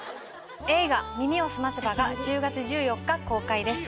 映画「耳をすませば」が１０月１４日公開です。